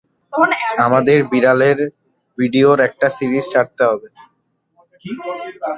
আমাদের বিড়ালের ভিডিয়োর একটা সিরিজ ছাড়তে হবে!